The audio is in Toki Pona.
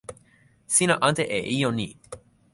sina ante e ijo ni.